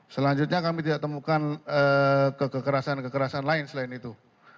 selanjutnya kami tidak temukan kekerasan kekerasan lain selain itu